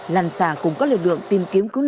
làn xả cũng có lực lượng tìm kiếm cứu nạn